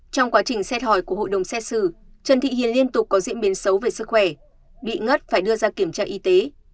trong quá trình xét hỏi của hội đồng xét xử trần thị hiền liên tục có diễn biến xấu về sức khỏe bị ngất phải đưa ra kiểm tra y tế